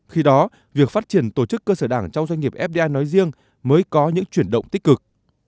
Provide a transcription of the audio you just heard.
khi đó việc phát triển tổ chức cơ sở đảng trong doanh nghiệp fdi nói riêng mới có những chuyển động tích cực